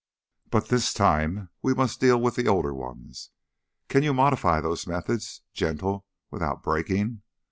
But this time we must deal with the older ones. Can you modify those methods, gentle without breaking?